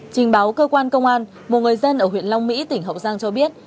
trình báo cơ quan công an một người dân ở huyện long mỹ tỉnh hậu giang cho biết